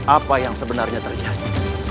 apa yang sebenarnya terjadi